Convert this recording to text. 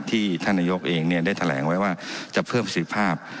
ที่ท่านนโยคเองเนี่ยได้แถลงไว้ว่าจะเพิ่มภาษีภาพ